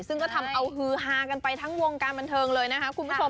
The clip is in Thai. ซึ่งก็ทำเอาฮือฮากันไปทั้งวงการบันเทิงเลยนะคะคุณผู้ชม